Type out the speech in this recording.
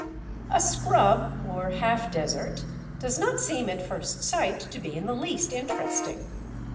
A scrub or Half desert does not seem at first sight to be in the least interesting.